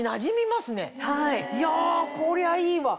いやこりゃいいわ。